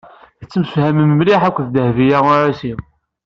Tettemsefham mliḥ akked Dehbiya u Ɛisiw.